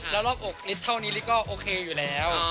แล้วรอบอกเล็กแต่ไอนี้ก็โอเคอยู่แล้ว